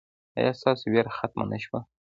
ایا ستاسو ویره ختمه نه شوه؟